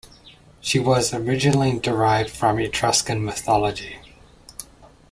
She was originally derived from Etruscan mythology.